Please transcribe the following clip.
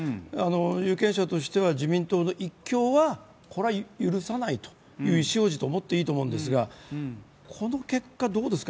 有権者としては自民党の一強は許さないという意思表示と思ってもいいと思うんですが、この結果、どうですか。